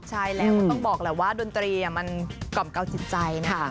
ใช่แหละต้องบอกแหละว่าดนตรีมันก่อมเก่าจิตใจนะ